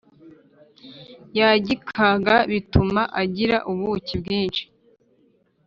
yagikaga, bituma agira ubuki bwinshi